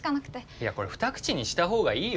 いやこれ２口にした方がいいよ。